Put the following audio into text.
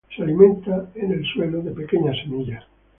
Se alimenta en el suelo, de pequeñas semillas.